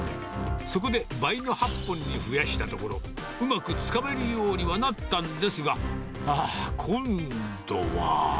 そこで、倍の８本に増やしたところ、うまくつかめるようにはなったんですが、ああ、今度は。